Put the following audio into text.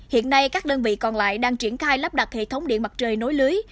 hiện nay các đơn vị còn lại đang triển khai lắp đặt hệ thống điện mặt trời nối lưới